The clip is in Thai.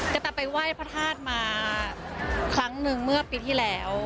กระแตไปไหว้พระธาตุมาครั้งหนึ่งเมื่อปีที่แล้ว